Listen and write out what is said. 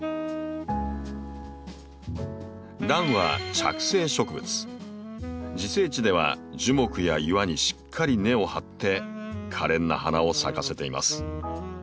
ランは自生地では樹木や岩にしっかり根を張ってかれんな花を咲かせています。